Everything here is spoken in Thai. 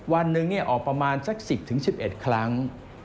วันหนึ่งออกประมาณสัก๑๐๑๑ครั้ง